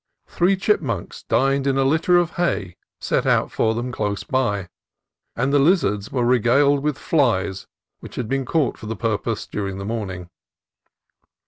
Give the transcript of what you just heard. Three chipmunks dined in a litter of hay set out for them close by; and lizards were regaled with flies which had been caught for the purpose during the morning.